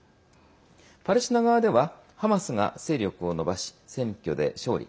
パレスチナ側ではハマスが勢力を伸ばし選挙で勝利。